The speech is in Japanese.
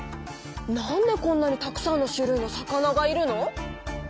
なんでこんなにたくさんの種類の魚がいるの？